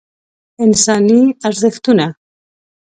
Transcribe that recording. انساني ارزښتونه